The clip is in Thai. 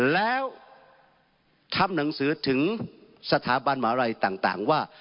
แล้วทำหนังสือถึงสถาบันมหาลัยต่างว่า